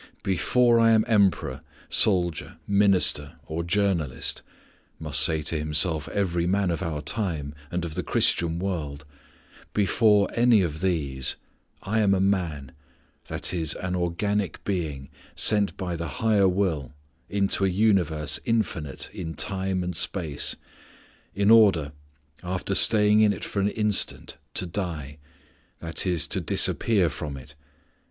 "Before I am Emperor, soldier, minister, or journalist," must say to himself every man of our time and of the Christian world, "before any of these, I am a man i.e. an organic being sent by the Higher Will into a universe infinite in time and space, in order, after staying in it for an instant, to die i.e. to disappear from it.